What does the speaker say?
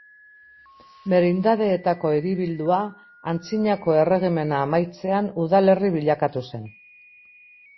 Merindadeetako hiribildua, Antzinako Erregimena amaitzean udalerri bilakatu zen.